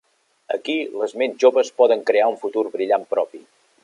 Aquí, les ments joves poden crear un futur brillant propi.